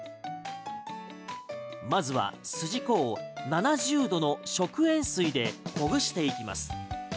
まずはすじこを７０度の食塩水でほぐしていきます。